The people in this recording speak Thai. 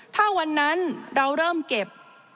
ถ้าวันนั้นเราเริ่มเก็บ